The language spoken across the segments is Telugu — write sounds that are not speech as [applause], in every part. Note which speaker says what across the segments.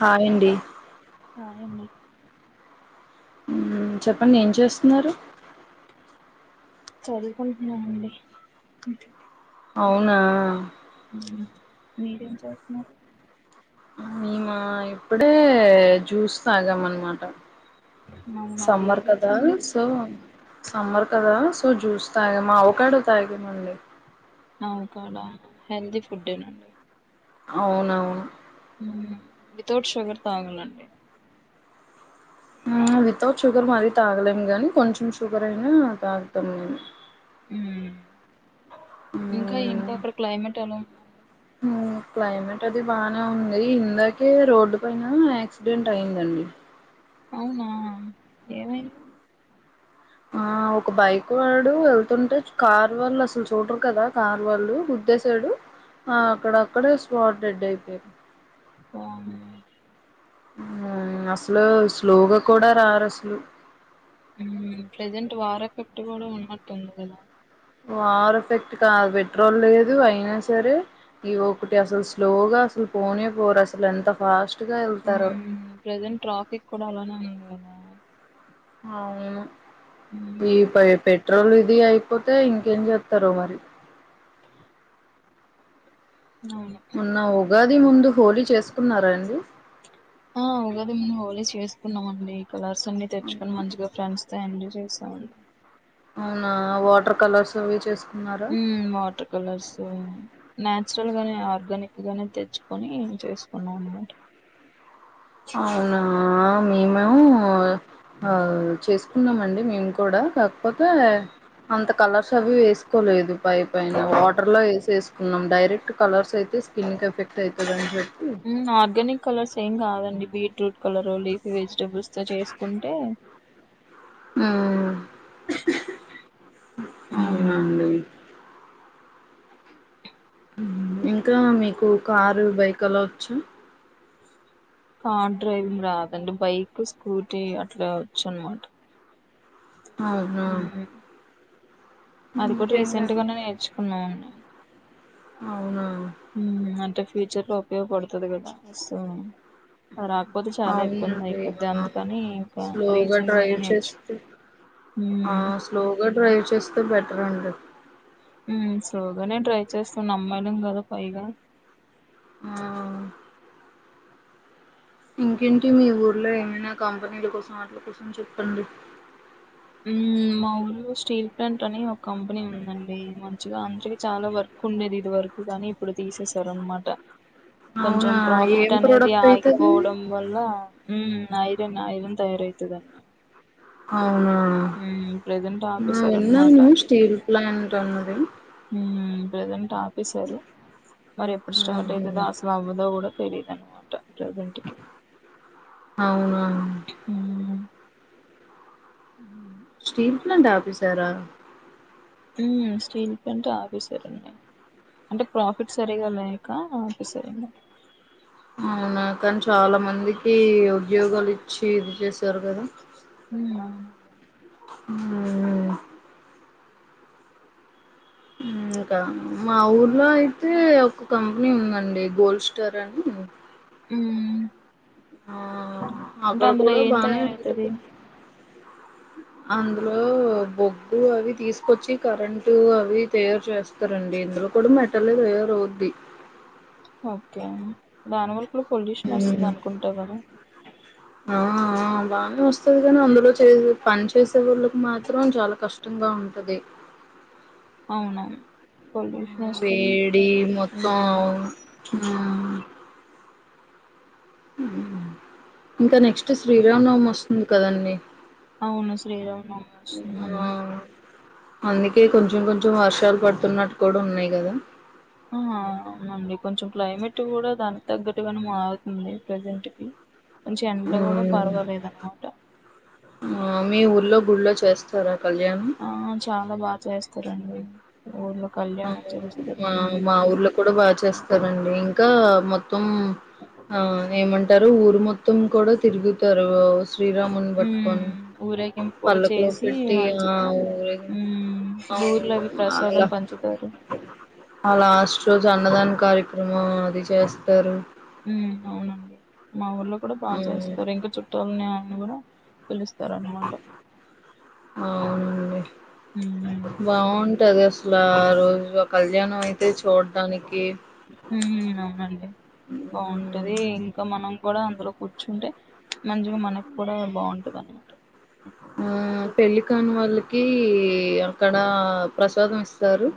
Speaker 1: హాయ్ అండి
Speaker 2: హాయ్ అండి
Speaker 1: మ్మ్ చెప్పండి ఏం చేస్తున్నారు
Speaker 2: చదువుకుంటున్నానండి
Speaker 1: అవునా
Speaker 2: మీరేం చేస్తున్నారు
Speaker 1: మేమా ఇప్పుడే జ్యూస్ తాగాం అనమాట
Speaker 2: అవునా ఏ
Speaker 1: సమ్మర్
Speaker 2: జ్యూస్
Speaker 1: కదా
Speaker 2: అండి
Speaker 1: సో సమ్మర్ కదా సో జ్యూస్ తాగ అవకాడో తాగమండి
Speaker 2: అవకాడ హెల్తి ఫుడ్ ఏ నండి
Speaker 1: అవునవును
Speaker 2: ఉమ్ వితౌట్ షుగర్ తాగలండి
Speaker 1: ఉమ్ వితౌట్ షుగర్ మరీ తాగలేము గానీ కొంచెం షుగర్ అయినా తాగుతాం నేను
Speaker 2: ఉమ్ ఇంకా
Speaker 1: మ్మ్,
Speaker 2: ఇంకా అక్కడ క్లైమేట్ ఎలా ఉండండి
Speaker 1: మ్మ్, క్లైమేట్ అది బానే ఉంది ఇందాకే రోడ్డు పైన యాక్సిడెంట్ అయిందండి
Speaker 2: అవునా ఏమైంది
Speaker 1: ఆ ఒక బైక్ వాడు వెళ్తుంటే కార్ వాళ్ళు అసలు చూడరు కదా కార్ వాళ్ళు గుద్దేశాడు ఆ అక్కడక్కడ స్పాట్ డెడ్ అయిపోయారు
Speaker 2: ఆ
Speaker 1: అసలు స్లోగా కూడా రారు అసలు
Speaker 2: ప్రెజెంట్ వార్ ఎఫెక్ట్ కూడా ఉన్నట్టుంది కదా
Speaker 1: వర్ ఎఫెక్ట్ కాదు పెట్రోల్ లేదు అయినా సరే ఈ ఒకటి అసలు స్లోగా అసలు పోనే పోరు అసలు ఎంత ఫాస్ట్
Speaker 2: ప్రెసెంట్ ట్రాఫిక్ కూడా అలానే ఉంది అవునా
Speaker 1: అవును ఈ పై పెేట్ పెట్రోల్ ఇది అయిపోతే ఇంకేం చేతారో మరి
Speaker 2: అవును
Speaker 1: ఉన్న ఉగాది ముందు హోలీ చేసుకున్నారా అండి
Speaker 2: ఆ ఉగాది ముందు హోలీ చేసుకున్నామండి కలర్స్ అన్ని తెచ్చుకొని మంచిగా ఫ్రెండ్స్ తో ఎంజాయ్ చేశాను
Speaker 1: అవునా వాటర్ కలర్స్ అవి చేస్
Speaker 2: హ్మ్ వాటర్ కలర్స్ [unintelligible] నేచురల్ గానే ఆర్గానిక్ గానే తెచ్చుకొని చేసుకున్నాం అనమాట
Speaker 1: అవునా మేమేమో ఆ చేసుకున్నామండి మేము కూడా కాకపోతే అంత కలర్స్ అవి వేసుకోలేదు పై పైన వాటర్ లో వేసేసు కున్నాం డైరెక్ట్ కలర్స్ అయితే స్కిన్ కి ఎఫె
Speaker 2: హ్మ్ ఆర్గానిక్ కలర్స్ ఏం కాదండి బీట్రూట్ కలరో లీఫ్య్ వెజిటబుల్స్ తో చేసుకుంటే
Speaker 1: హ్మ్
Speaker 2: ఉమ్
Speaker 1: అవునండి హ్మ్ ఇంకా మీకు కారు బైక్ కల వచ్చు
Speaker 2: కార్ డ్రైవింగ్ రాదండి బైక్ స్కూటీ అట్లా వచ్చు అనమాట
Speaker 1: అవునా
Speaker 2: ఉమ్ అది కూడా రీసెంట్
Speaker 1: ఇంకేంటండి
Speaker 2: గానే నేర్చుకున్నాన్
Speaker 1: అవునా
Speaker 2: హ్మ్ అంటే ఫ్యూచర్ లో ఉపయోగపడుతది కదా సో రాకపోతే చాలా ఇబ్బంది
Speaker 1: అవునండి
Speaker 2: అయిపోద్ది అందుకని ఇంకా
Speaker 1: స్లోగా
Speaker 2: రీసెంట్ గానే
Speaker 1: డ్రైవ్
Speaker 2: నేర్చు
Speaker 1: చేస్తే ఆ
Speaker 2: ఉమ్
Speaker 1: స్లోగా డ్రైవ్ చేస్తే బెట్ రెండు
Speaker 2: హ్మ్ స్లో గానే డ్రైవ్ చేస్తాను అమ్మాయిలం కదా పైగా
Speaker 1: ఆ ఇంకేంటి మీ ఊర్లో ఏమైనా కంపెనీల కోసం వాటిల కోసం చెప్పండి
Speaker 2: హ్మ్ మా ఊర్లో స్టీల్ ప్లాంట్ అనే ఒక కంపెనీ ఉందండి మంచిగా అందరికి చాలా వర్క్ ఉండేది ఇది వరకు కానీ ఇప్పుడు తీసేసారు అనమాట కొంచెం
Speaker 1: అవునా ఏం
Speaker 2: ప్రాఫిట్ అనేది
Speaker 1: ప్రోడక్ట్ అయితది
Speaker 2: ఆగిపోవడం వల్ల హ్మ్ ఐరన్ ఐరన్ తయారు అయితండి
Speaker 1: అవునా ఆ
Speaker 2: ఆపేశారు అనమాట
Speaker 1: విన్నాను స్టీల్ ప్లాంట్ అన్నది
Speaker 2: ఉమ్ ప్రెజెంట్ ఆప్ ప్పసారు మరి ఎప్పుడు స్టార్ట్
Speaker 1: ఊహు
Speaker 2: అవుతుందో అసలు అవ్వదా కూడా తెలీయదున్నమాట జంటికి
Speaker 1: అవునా ఉ స్టీల్ ప్లాంట్ ఆఫీసరా
Speaker 2: స్టీల్ ప్లాంట్ ఆఫీసర్న్ అంటే ప్రాఫిట్ సరిగాల ఇక ఆఫీసరి
Speaker 1: అవునా కాని చాలా మంది ఈ ఉద్యోగాలు ఇచ్చి ఇది చేస్త చరుకుదు
Speaker 2: హ
Speaker 1: ఆ ఇంకా మా ఊర్లో అయితే ఒక కంపెనీ ఉందండి గోల్డ్ స్టార్ అని
Speaker 2: హమ్
Speaker 1: ఆ అక్కడ కూడా
Speaker 2: ఏం
Speaker 1: బానే
Speaker 2: తయారవుతది
Speaker 1: ఉ అందులో బొగ్గు అవి తీసుకొచ్చి కరెంటు అవి తయారు చేస్తారండి ఇందులో కూడా మెటల్ తయారవుద్ది
Speaker 2: ఓకే దానివల్ కూడా పొల్యూషన్ వస్తుంది
Speaker 1: ఉ
Speaker 2: అనుకుంటా కదా
Speaker 1: ఆ బా వస్తుంది కాని అందులో చేస పని చేసే వాళ్ళకి మా చిత్రం చాలా కష్టంగా ఉంటది
Speaker 2: అవునవును పొల్యూషన్ వస్తది
Speaker 1: వేడి మొత్తం
Speaker 2: ఉమ్
Speaker 1: ఉ ఇంకా నెక్స్ట్ శ్రీరామ్ నవమ వస్తుంది కదీ
Speaker 2: అవును శ్రీరావును అవు
Speaker 1: ఆ
Speaker 2: వస్తుందండి
Speaker 1: అందుకే కొంచెం కొంచెం వర్షాలు పడుతున్నట్టు కూడా ఉన్నాయి కదా
Speaker 2: ఆ అవునండి కొంచెం క్లైమేట్ కూడా దానికి తగ్గట్టుగానే మారుతుంది ప్రజెంట్ కి కొంచెం ఎడ్లు కూడా
Speaker 1: ఉమ్.
Speaker 2: పర్వాలేదు అనమాట
Speaker 1: ఆ మీ ఊర్లో గుళ్ళో చేస్త చేస్తర్ కదా
Speaker 2: ఆ చాలా బాగా చేస్ చేస్తరండీ ఊర్లో కళ్యాణం
Speaker 1: అవునూ
Speaker 2: చేస్తారు
Speaker 1: మా
Speaker 2: ఉమ్
Speaker 1: మా ఊర్లో కూడా బాగా చేస్తారండి ఇంకా మొత్తం ఆ ఏమంటరు ఊరు మొత్తం మొత్తం కూడా తిరుగుతారు శ్రీరాముని పట్టుకొని
Speaker 2: ఊరేగింపు కూడా
Speaker 1: పల్లకులోకి
Speaker 2: చేసి
Speaker 1: పెట్టి ఆ
Speaker 2: మంచిగా
Speaker 1: ఊరి
Speaker 2: ఉమ్ ఊర్లో అవి
Speaker 1: అవునూ
Speaker 2: ప్రసాదం
Speaker 1: అలా
Speaker 2: పంచుతారు
Speaker 1: ఆ లాస్ట్ రోజు అన్నదాన కార్యక్రమం ఉ అది చేస్తారు
Speaker 2: ఉ అవునండి మా ఊళ్ళ కూడా బా
Speaker 1: మ్మ్
Speaker 2: చేస్తారు ఇంకా చుట్టాలని నుగుడ పిలుస్త
Speaker 1: అవునడి బాగు టదశల అసలు ఆ రోజు కళ్యాణం అయితే చూడడాానికి
Speaker 2: ఉమ్ అవునండి బాగుంటది ఇంకా మనం కూడా అందులో కూర్చుంటే మంచిగా మనకు కూడా బాగుంటది అనమాట
Speaker 1: ఉ పెళ్ళికనీ వాళ్ళకి కి అక్కడ ప్రసాదం ఇస్త స్తారు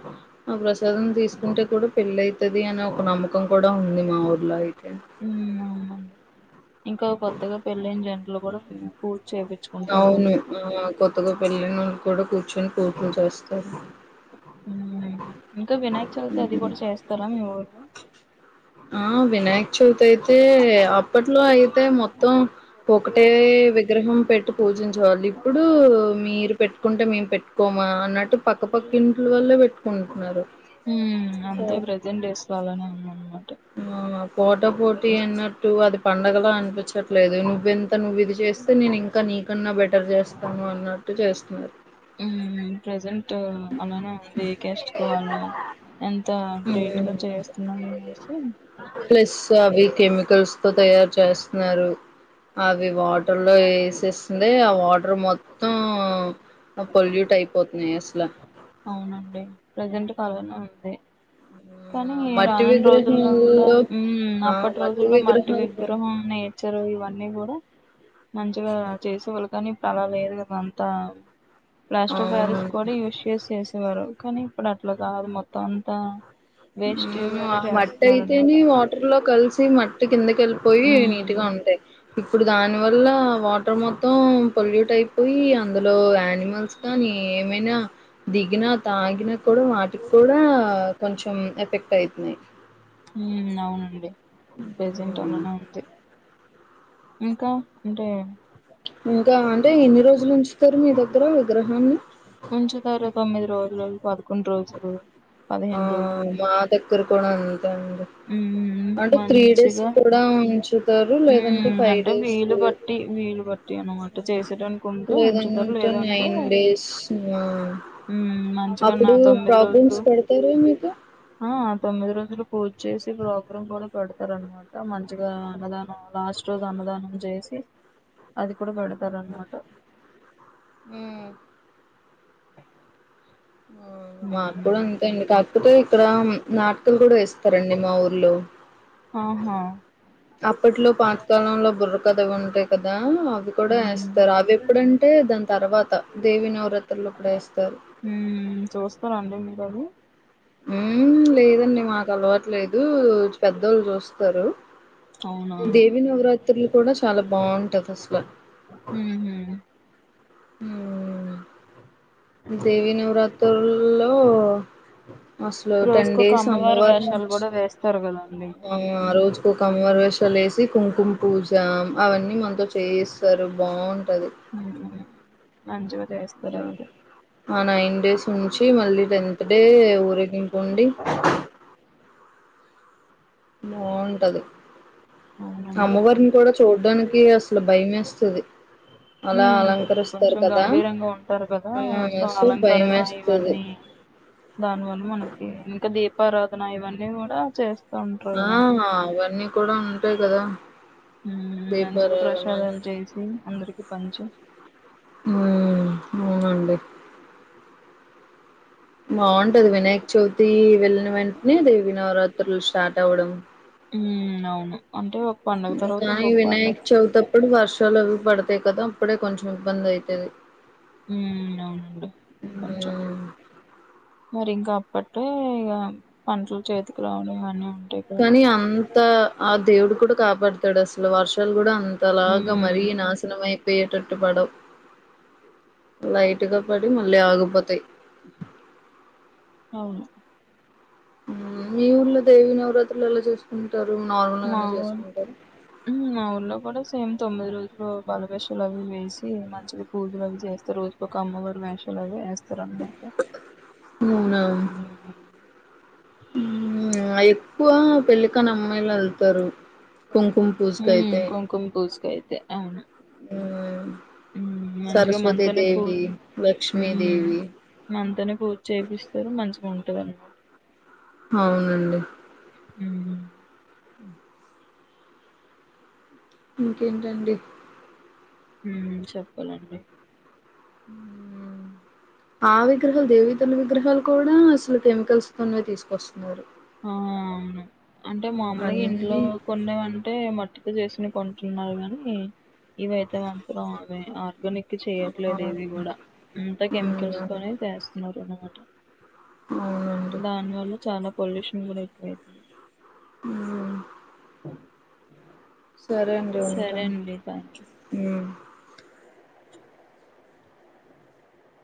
Speaker 1: ఆ ప్రసాదం తీసుకుంటే కూడా పెళ్ళ అవుతుది అనే ఒక నమ్మకం కూడా ఉంది మా ఊర్లో అయితే
Speaker 2: ఉమ్ అవునండి లు గూడ
Speaker 1: అవును కొత్తగా పెళ్ళ నళ్ళు కూడా కూర్చొని పూజ చేస్తారు
Speaker 2: ఉ ఇంకా వినాయక చవితి అది కూడా చేస్తారా మీ ఊరిలో
Speaker 1: ఆ వినాయక్ చవితి అయితే ఇప్పట్లో అయితే మొత్తం ఒకటే విగ్రహం పెట్టు పూజించ వాళ్లు ఇప్పుడు మీరు పెట్టుకుంటే మేము పెట్టుకోమా న్నటు పక్క పక్క ఇట్ల వల్లే పెట్టుకుంటున్నారు
Speaker 2: ఉమ్ అంతే ప్రజెంట్ డేస్ లో అలానే ఉందన్నమాట
Speaker 1: ఆ ఫోట పోటీ అనటు అది పండగల చపించట్లేదు నువ్వెంత నువ్వు ఇది చేస్తే నేను ఇంకా నీకన్నా బెటర్ చేస్తాను అన్నా ట్టు చేస్తున్నారు
Speaker 2: ఉ ప్రెజెంట్ అలానే ఉంది కెస్ట్ వాళ్ళ ఎంత
Speaker 1: హ్మ్.
Speaker 2: గ్రేట్గా చేస్తున్నామనేసి
Speaker 1: ప్లస్ అవిక కెమికల్స్ తో తయారు చేస్తున్నారు అవి వాటర్ లో ఏసేస్తుంది ఆ వాటర్ మొత్తం పల్యూ టయిప్పోతున్నాయి అసలా
Speaker 2: అవునండి ప్రజెంట్ కాలనే ఉంది కానీ
Speaker 1: మట్టి
Speaker 2: రానుని రోజుల్లో కూడా
Speaker 1: విగ్రహంలో
Speaker 2: ఉ
Speaker 1: ఆ
Speaker 2: అప్పటి రోజుల్లో మట్టి
Speaker 1: విగ్రహాలు
Speaker 2: విగ్రహం నేచర్ ఇవన్నీ కూడా మంచిగా చేసేవాళ్ళు కానీ ఇప్పుడు అలా లేదు కదా అంతా ప్లాస్ట్ ఆఫ్ ప్యారిస్
Speaker 1: అవును
Speaker 2: కూడాయూస్ చేస్త చేసేవారు కానీ ఇప్పుడు అట్లా కాదు మొత్తం అంతా వేస్టేజ్
Speaker 1: ఆ ఆ
Speaker 2: గానే
Speaker 1: మట్
Speaker 2: చేస్తున్నారు అనమాట
Speaker 1: అయితేనే వాటర్ లో కలిసి మట్టి కిందక వెళ్ళిపోయి
Speaker 2: ఉమ్
Speaker 1: నీట్ గా ఉంటాయి ఇప్పుడు దానివల్ల వాటర్ మొత్తం మొత్తం పొల్యూట్ అయిపోయి అందులో యని మస్కా ఏమైనా దిగిన తాగినా కూడా వాటికి కూడా కొంచ ఎఫెక్ట్ అయితన్నయి
Speaker 2: ఉ అవునండి ప్రజెంట్
Speaker 1: మ్మ్.
Speaker 2: [unintelligible] అంటే ఇంకా అంటే
Speaker 1: ఇంకా అంటే ఎన్ని రోజులు ఉంచుతారు మీ దగ్గర విగ్రహాన్ని
Speaker 2: ఉంచుతారు తొమ్మిది రోజులు పదకొండు రోజులు
Speaker 1: ఆ
Speaker 2: పదిహేను రోజులు
Speaker 1: మాదగ్గరకు క [unintelligible] అడి
Speaker 2: ఉమ్
Speaker 1: అంటే త్రీ డేస్
Speaker 2: మంచిగా
Speaker 1: కూడా ఉంచు
Speaker 2: అంటే వీలు బట్టి వీలు బట్టి అ
Speaker 1: లేదంట నైన్ డేస్
Speaker 2: ఉ మంచిగాన్న
Speaker 1: అప్పుడు
Speaker 2: తొమ్మిది రోజులు
Speaker 1: ప్రాబ్లమ్స్ పెడతారు మీకు
Speaker 2: ఆ తొమ్మిది రోజులు పూజ్చేసి ప్రోగ్రాం గుడా పెడతారన్నమాట. మంచిగా అన్నదానం లాస్ట్ రోజు అన్నదానం చేసి అది కూడా పెడ రన్నమాట.
Speaker 1: హ్ మాక్
Speaker 2: హ్మ్.
Speaker 1: కూడా అంతే అండి కాకపోతే ఇక్కడ నాటకలు కూడా వేస్తారండి మా ఊర్లో
Speaker 2: ఆహా
Speaker 1: అప్పట్లో పాతకాలంలో బుర్ కథ ఉంటయి. కదా ఉ అవి కూడా
Speaker 2: హ్మ్
Speaker 1: వేస్తారు. అవి ఎప్పుడంటే దాని తర్వాత దేవి నవరాత్రులప్పుడు వేస్తారు.
Speaker 2: హ్మ్ చూస్తారండి మీరు అవి
Speaker 1: మ్ లేదండి మాక్ అలవాట్లేదు. పెద్దోళ్ళు చూస్తారు.
Speaker 2: అవునా
Speaker 1: దేవి నవరాత్రులు కూడా చాలా బావుంటది. అసలు
Speaker 2: హ్మ్ హు
Speaker 1: హ్మ్ దేవి నవరాత్రుల్లో అసలు టెన్
Speaker 2: రోజుకొక అమ్మవారి వేషాలు గూడ వేస్తారు కదా
Speaker 1: ఉ రోజుకొక అమ్మవారు వేషాలేసి కుంకుమ్ పూజా అవన్నీ మనతో చేయిస్తారు బాగుం
Speaker 2: మంచోడే వేస్తా రైట్
Speaker 1: అవున ఎన్ డేస్ ఉంచి మళ్ళీ టెన్త్ డే ఊరేగింపు ఉండి బావుంటది
Speaker 2: అవునండి
Speaker 1: అమ్మవారిని కూడా చూడ్డానికి అసలు భయమేస్ ఇది
Speaker 2: ఉ కొంచం గంభీరంగా ఉంటారు కదా సో
Speaker 1: ఆ భయం
Speaker 2: అలంకరణ
Speaker 1: వేస్తది
Speaker 2: ఇవన్నీ దానివల్ల మనకి ఇంకా దే దీపారాధన ఇవన్నీ గూడా చేస్
Speaker 1: ఆ అవన్నీ కూడా ఉంటాయి కదా
Speaker 2: మ్ మంచిగా
Speaker 1: దీపారాధన
Speaker 2: ప్రసాదాలు చేసి అందరికి పంచు
Speaker 1: ఉమ్ అవునండి బావుంటది వినాయక చవితి వెళ్ళిన వెంటనే దేవి నవరాత్ లు స్టార్ట్ అవడం
Speaker 2: ఉ అవును అంటే ఓ
Speaker 1: కానీ వినాయక చవితి ఆప్పుడు వర్షాలు అవి పడతాయి కదా అప్పుడే కొంచం ఇబ్బందయితది
Speaker 2: ఉ అవును అండి కొంచం
Speaker 1: హ్మ్.
Speaker 2: మరి ఇంకా అప్పట్ ఇక పంటలు చేతికి రావడం గాని
Speaker 1: కానీ అంత ఆ దేవుడు కూడా కాపాడతాడు అసలు వర్షాలు కూడా అంతలాగా మరీ
Speaker 2: ఉమ్
Speaker 1: నాశనమై పోయేటట్టు పాడవ్ లైట్గా పడి మళ్ళీ ఆగిపోతాయి
Speaker 2: అవును
Speaker 1: మీ ఊర్లో దేవి నవరాత్రిలు ఎలా చేసు
Speaker 2: మా ఊ మా ఊర్లో కూడా సేమ్ తొమ్మిది రోజులు బలవేషాలు అవి వేసి మంచిగా పూజలు అవి చేస్తే రోజుకి అమ్మవారి వేషాలు అవి వేస్త త్తారు అనమాట
Speaker 1: ఊ ఎక్కువ పెళ్ళికానీ అమ్మాయిలు వెళ్తా తరు
Speaker 2: హు కుంకుమ పూజకాయితే అవును
Speaker 1: ఉ
Speaker 2: మంచిగా మంతనే పూ
Speaker 1: లక్ష్మీదేవి
Speaker 2: మంతనే పూ చేపిస్తారు మంచిగా ఉంటు
Speaker 1: అవునండి
Speaker 2: ఉ
Speaker 1: ఇంకేంటండి
Speaker 2: ఉ చెప్పాలండి
Speaker 1: ఆ విగ్రహాలు దేవితల విగ్రహాలు కూడా అసలు కెమికల్స్ తనే తీసుకొస్త
Speaker 2: ఆ అవును అంటే మామూలుగా ఇంట్లో
Speaker 1: అన్నీ
Speaker 2: కొనేమంటే మట్టికు చేసిన కొంట న్నారు కాని ఇవయితే మంతరం ఆర్గానిక్ చేయట్లేదు ఇవి కూడా
Speaker 1: అవునండి
Speaker 2: అంతా కెమికల్స్
Speaker 1: మ్మ్
Speaker 2: తోనే చేస్తున్నారు అనమాట ఓకే
Speaker 1: అవునండి
Speaker 2: దాని వాల్ళు చాలా పొల్యూషన్ కూడాకు
Speaker 1: ఉమ్ సరే అండి
Speaker 2: సరే
Speaker 1: ఉంటాను
Speaker 2: అండి థ్యాంక్ యూ